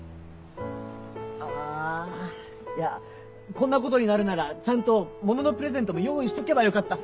いやこんなことになるならちゃんと物のプレゼントも用意しとけばよかった！